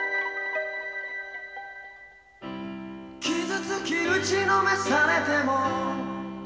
「傷つき打ちのめされても」